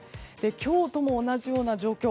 京都も同じような状況